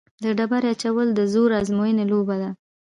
د ډبرې اچول د زور ازموینې لوبه ده.